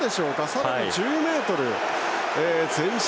さらに１０ｍ前進。